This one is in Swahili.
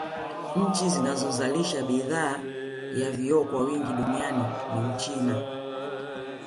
Nchi zinazozalisha bidhaa ya vioo kwa wingi duniani ni Uchina